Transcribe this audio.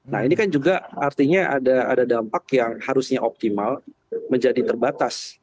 nah ini kan juga artinya ada dampak yang harusnya optimal menjadi terbatas